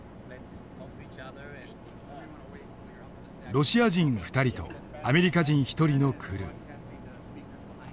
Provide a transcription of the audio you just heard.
ロシア人２人とアメリカ人１人のクルー。